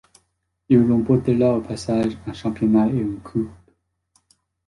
Il remportera au passage un championnat et une coupe.